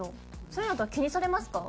そういうのとか気にされますか？